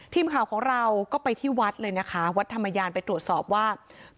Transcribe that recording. ทีมข่าวของเราก็ไปที่วัดเลยนะคะวัดธรรมยานไปตรวจสอบว่า